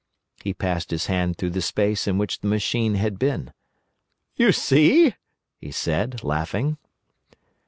He passed his hand through the space in which the machine had been. "You see?" he said, laughing.